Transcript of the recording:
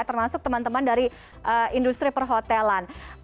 termasuk teman teman dari industri perhotelan